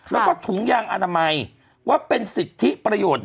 แล้วก็ถุงยางอนามัยว่าเป็นสิทธิประโยชน์